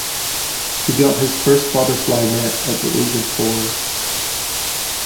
He got his first butterfly net at the age of four.